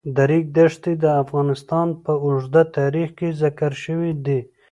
د ریګ دښتې د افغانستان په اوږده تاریخ کې ذکر شوی دی.